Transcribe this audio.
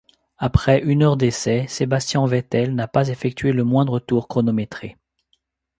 Après une heure d'essais, Sebastian Vettel n'a pas effectué le moindre tour chronométré.